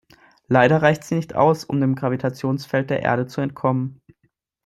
Leider reicht sie nicht aus, um dem Gravitationsfeld der Erde zu entkommen.